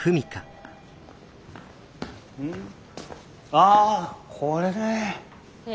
あこれね。